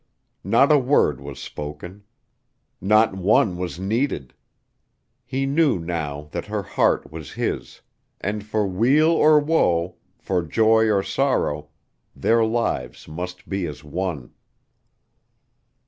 Not a word was spoken; not one was needed! He knew now that her heart was his, and for weal or woe; for joy or sorrow, their lives must be as one.